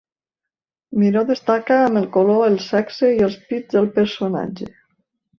Miró destaca amb el color el sexe i els pits del personatge.